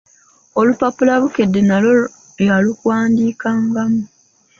Olupapula Bukedde nalwo yaluwandiikangamu.